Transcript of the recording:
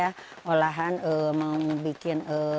dan juga olahan yang kecil